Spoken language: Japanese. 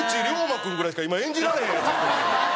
君ぐらいしか今演じられへん。